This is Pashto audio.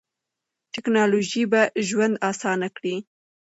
ټیکنالوژي به ژوند اسانه کړي.